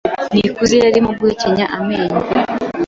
Nikuze yarimo guhekenya amenyo.